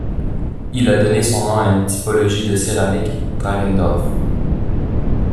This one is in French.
Il a donné son nom à une typologie de céramique, Dragendorff.